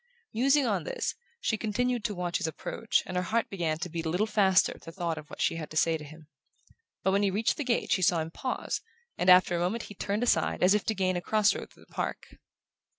Musing on this, she continued to watch his approach; and her heart began to beat a little faster at the thought of what she had to say to him. But when he reached the gate she saw him pause, and after a moment he turned aside as if to gain a cross road through the park.